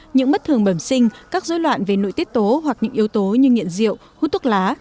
những bất thường bẩm sinh các dối loạn về nội tiết tố hoặc những yếu tố như nghiện rượu hút thuốc lá